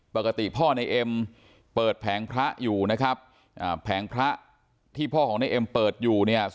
ปกติพ่อในเอ็มเปิดแผงพระอยู่นะครับแผงพระที่พ่อของในเอ็มเปิดอยู่เนี่ย